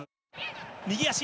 右足。